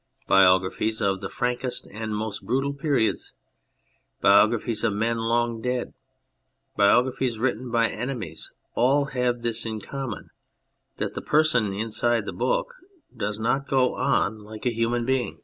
Biographies of the frankest and most brutal periods, biographies of men long dead, biographies written by enemies, all have this in common, that the person inside the book does not go on like a human being.